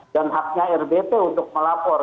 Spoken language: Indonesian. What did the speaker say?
dan haknya rbt untuk melaporkan